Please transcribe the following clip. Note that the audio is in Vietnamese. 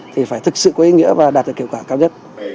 thì phải thực sự có ý nghĩa và đạt được hiệu quả cao nhất